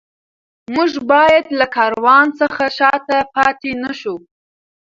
موږ باید له کاروان څخه شاته پاتې نه شو.